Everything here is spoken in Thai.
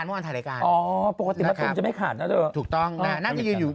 เมื่อวานถ่ายรายการอ๋อปกติมะตูมจะไม่ขาดนะเถอะถูกต้องน่าจะยืนอยู่